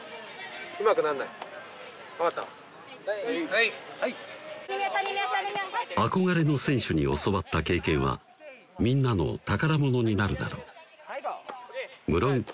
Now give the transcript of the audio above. はい憧れの選手に教わった経験はみんなの宝物になるだろう無論